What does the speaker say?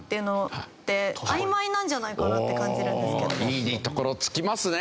いいところ突きますね！